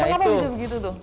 kenapa bisa begitu tuh